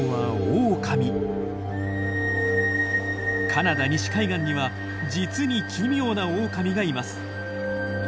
カナダ西海岸には実に奇妙なオオカミがいます。